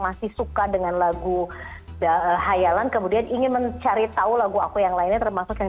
masih suka dengan lagu hayalan kemudian ingin mencari tahu lagu aku yang lainnya termasuk yang